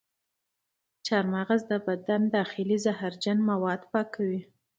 چارمغز د بدن داخلي زهرجن مواد پاکوي.